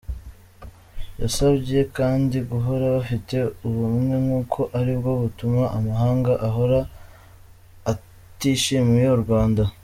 Yabasabye kandi guhora bafite ubumwe kuko aribwo butuma amahanga ahora atishimiye u Rwanda.